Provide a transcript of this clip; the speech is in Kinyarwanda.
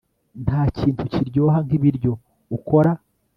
Ntakintu kiryoha nkibiryo ukora